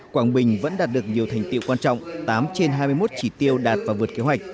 quảng bình vẫn đạt được nhiều thành tiệu quan trọng tám trên hai mươi một chỉ tiêu đạt và vượt kế hoạch